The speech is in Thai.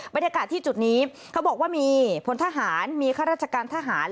บรรยากาศที่จุดนี้เขาบอกว่ามีพลทหารมีข้าราชการทหาร